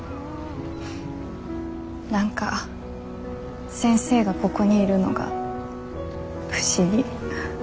何か先生がここにいるのが不思議。